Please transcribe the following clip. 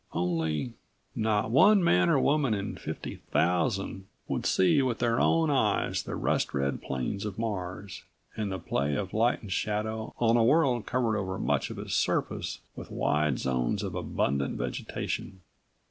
Only not one man or woman in fifty thousand would see with their own eyes the rust red plains of Mars, and the play of light and shadow on a world covered over much of its surface with wide zones of abundant vegetation.